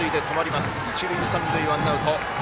一塁三塁、ワンアウト。